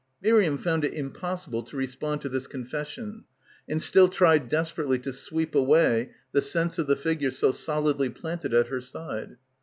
Miriam found it impossible to respond to this confession and still tried desperately to sweep away the sense of the figure so solidly planted at her side.